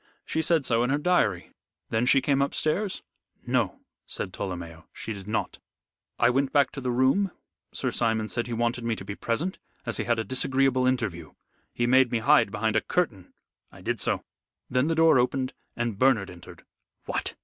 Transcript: She said so in her diary. Then she came upstairs?" "No," said Tolomeo, "she did not. I went back to the room. Sir Simon said he wanted me to be present, as he had a disagreeable interview. He made me hide behind a curtain. I did so. Then the door opened and Bernard entered." "What!"